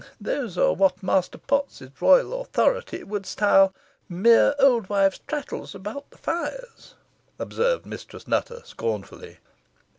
"These are what Master Potts's royal authority would style 'mere old wives' trattles about the fire,'" observed Mistress Nutter, scornfully.